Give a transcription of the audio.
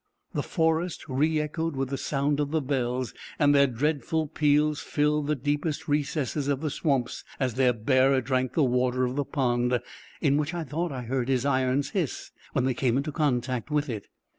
The forest re echoed with the sound of the bells, and their dreadful peals filled the deepest recesses of the swamps, as their bearer drank the water of the pond, in which I thought I heard his irons hiss, when they came in contact with it.